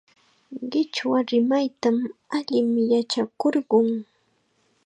Qichwa rimayta allim yachakurqun.